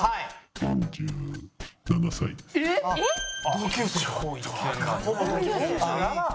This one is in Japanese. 同級生だ。